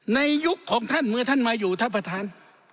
ยุคของท่านเมื่อท่านมาอยู่ท่านประธาน